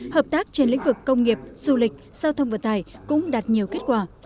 hợp tác trên lĩnh vực công nghiệp du lịch giao thông vận tải cũng đạt nhiều kết quả